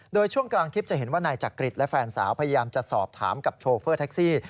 โดยช่วงกลางคลิปจะเห็นว่านายจักริตและแฟนสาวพยายามจะสอบถามกับโชเฟอร์แท็กซี่